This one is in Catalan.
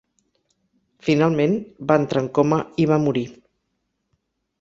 Finalment, va entrar en coma i va morir.